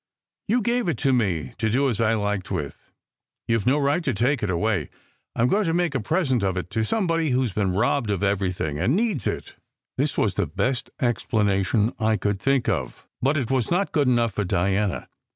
"You gave it to me to do as I liked with. You ve no right to take it away. I m going to make a present of it to somebody who s been robbed of everything, and needs it." This was the best explanation I could think of. But it was not good enough for Diana.